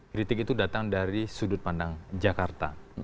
kritik itu datang dari sudut pandang jakarta